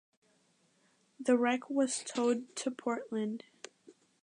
The wreck was towed to Portland.